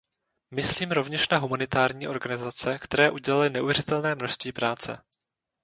Myslím rovněž na humanitární organizace, které udělaly neuvěřitelné množství práce.